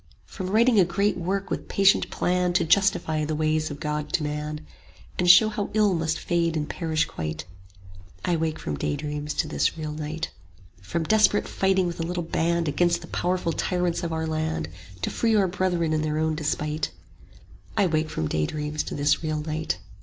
From writing a great work with patient plan 45 To justify the ways of God to man, And show how ill must fade and perish quite: I wake from daydreams to this real night. From desperate fighting with a little band Against the powerful tyrants of our land, 50 To free our brethren in their own despite: I wake from daydreams to this real night.